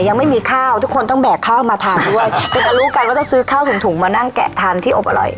ยังไม่มีข้าวทุกคนต้องแบกข้าวมาทานด้วยเป็นการรู้กันว่าจะซื้อข้าวถุงถุงมานั่งแกะทานที่อบอร่อย